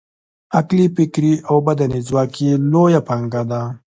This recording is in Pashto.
عقلي، فکري او بدني ځواک یې لویه پانګه ده.